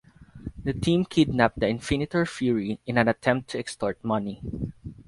The team kidnapped the Infinitor Fury in an attempt to extort money.